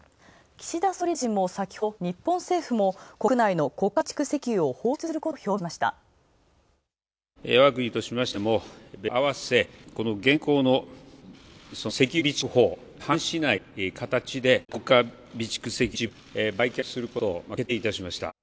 岸田総理大臣も先ほど日本政府も国内の国家備蓄石油を放出することを表明しました。